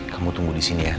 kamu tunggu di sini ya